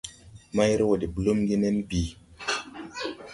Mayre wɔ de blúmgì nen bìi.